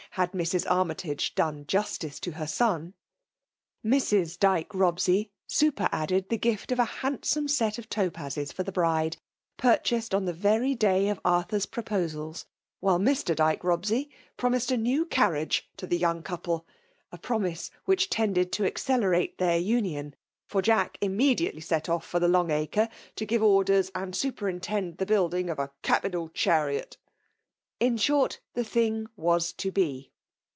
4 worth dSsamg, had Mrs Armytage done jus tice to her son: Mrs. Dyke Bobsey super added the gift of a handsome set of topazes to the bride, purchased on the very day of Arthur's proposals ; while Mr. Dyke Bofasey promised a new carriage to the young cmple, a promise which tended to accelerate ^bA luuon, — for Jack immediately set off for Long acre, to give orders, and superintend die building of a capital charott." In short the thing was to be